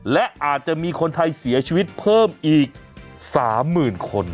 และอาจจะมีคนไทยเสียชีวิตเพิ่มอีก๓๐๐๐คน